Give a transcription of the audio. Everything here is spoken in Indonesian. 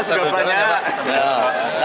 kalau dicalonkan gimana pak